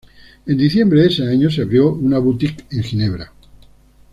En diciembre de ese año se abrió una boutique en Ginebra.